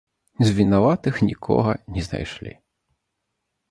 З вінаватых нікога не знайшлі.